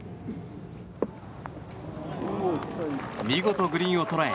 見事グリーンを捉え